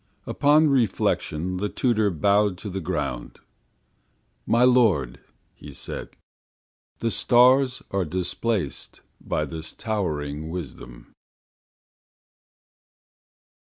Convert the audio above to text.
Upon reflection, the tutor bowed to the ground, "My lord," he said, "The stars are displaced By this towering wisdom."